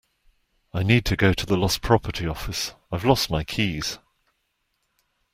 I need to go to the lost property office. I’ve lost my keys